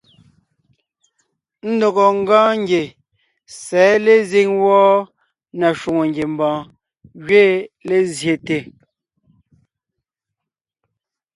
Ndɔgɔ ńgɔɔn ngie sɛ̌ lezíŋ wɔ́ɔ na shwòŋo ngiembɔɔn gẅiin lezsyete.